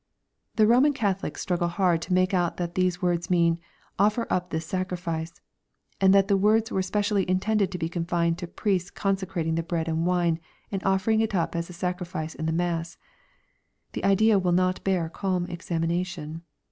'] The Roman Catholics struggle hard to make out that these words mean " Offer up this sacrifice," and that the words were specially intended to be confined to priests consecrating the bread and wine, and offering it up as a sacrifice in the mass. The idea wiU not bear calm examination.